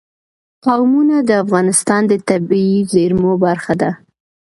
قومونه د افغانستان د طبیعي زیرمو برخه ده.